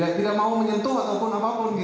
arief tidak mau menyentuh atau apa pun